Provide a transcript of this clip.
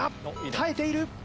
耐えている。